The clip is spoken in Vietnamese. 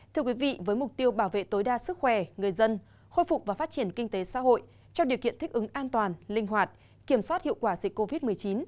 thưa quý vị với mục tiêu bảo vệ tối đa sức khỏe người dân khôi phục và phát triển kinh tế xã hội trong điều kiện thích ứng an toàn linh hoạt kiểm soát hiệu quả dịch covid một mươi chín